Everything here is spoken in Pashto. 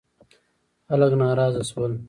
خلک ناراضه شول.